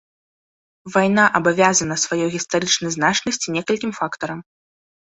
Вайна абавязана сваёй гістарычнай значнасці некалькім фактарам.